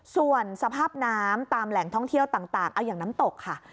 ส่วนสภาพน้ำตามแหล่งท่องเที่ยวต่างเอาอย่างน้ำตกค่ะ